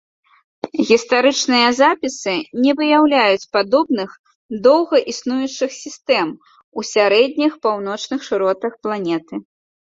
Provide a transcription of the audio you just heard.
Гістарычныя запісы не выяўляюць падобных доўга існуючых сістэм у сярэдніх паўночных шыротах планеты.